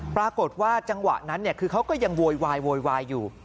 ปรากฏว่าจังหวะนั้นคือเขาก็ยังโวยวายโวยวายอยู่